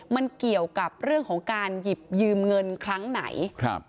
มันเกี่ยวกับเรื่องของการหยิบยืมเงินครั้งไหนครับ